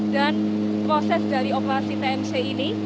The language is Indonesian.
dan proses dari operasi tnc ini